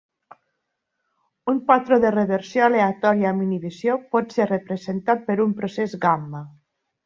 Un patró de reversió aleatòria amb inhibició pot ser representat per un procés gamma.